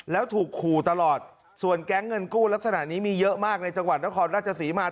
แล้วถูกขู่ตลอดส่วนแก๊งเงินกู้ลักษณะนี้มีเยอะมากในจังหวัดนครราชศรีมา